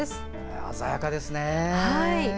鮮やかですね。